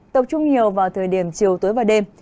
tập trung nhiều vào thời điểm chiều tối và đêm